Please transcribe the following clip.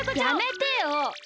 やめてよ！